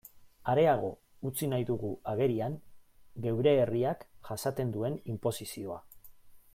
Areago utzi nahi dugu agerian geure herriak jasaten duen inposizioa.